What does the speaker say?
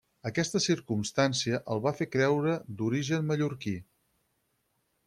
Aquesta circumstància el va fer creure d'origen mallorquí.